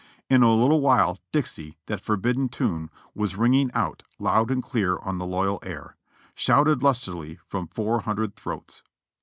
In a little while Dixie, that forbidden tune, was ringing out loud and clear on the loyal air, shouted lustily from four liundred throats.